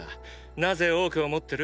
なぜ多くを持ってる？